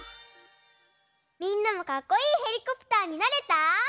みんなもかっこいいペリコプターになれた？